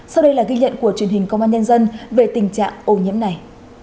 sau đây là ghi nhận của truyền hình công an nhân dân về tình trạng ô nhiễm này